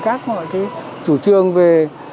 các chủ trương về